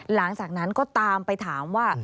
หลังจากนั้นก็ตามไปถามว่า